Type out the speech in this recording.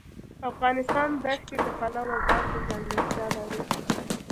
افغانستان د ښتې د پلوه ځانته ځانګړتیا لري.